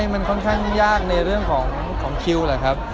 มันค่อนข้างยากในเรื่องของคิวแหละครับ